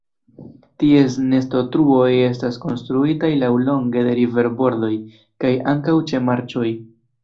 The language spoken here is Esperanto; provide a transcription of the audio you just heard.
Ties nestotruoj estas konstruitaj laŭlonge de riverbordoj, kaj ankaŭ ĉe marĉoj.